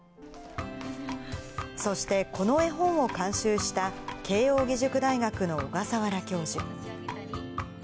そして、この絵本を監修した、慶応義塾大学の小笠原教授。